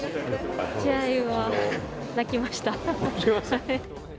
試合は泣きました。